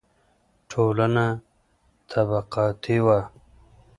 ټولنه طبقاتي وه.